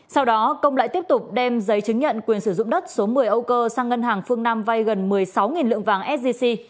sau đó công lại tiếp tục đem giấy chứng nhận quyền sử dụng đất số một mươi âu cơ sang ngân hàng phương nam vay gần một mươi sáu lượng vàng sgc